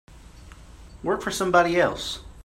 Work for somebody else.